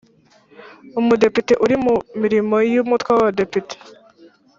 Umudepite uri mu mirimo y Umutwe w Abadepite